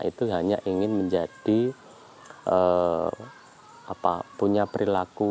itu hanya ingin menjadi punya perilaku